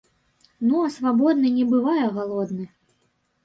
Ну а свабодны не бывае галодны.